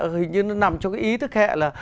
hình như nó nằm trong cái ý thức hệ là